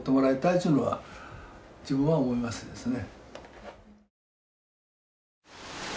っていうのは自分は思いますですね。